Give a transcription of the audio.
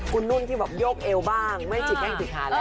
คุณนุ่นที่แบบโยกเอลบ้างไม่ใช่จิตแกล้งจิตขาแล้ว